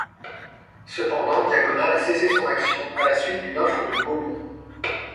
Cependant, Diagonal a cessé son action à la suite d'une offre de Gaumont.